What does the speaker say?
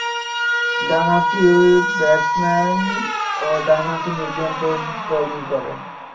ডানহাতি ব্যাটসম্যান ও ডানহাতি মিডিয়াম পেস বোলিং করেন।